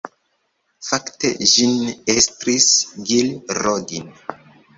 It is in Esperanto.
Fakte ĝin estris Gil Rodin.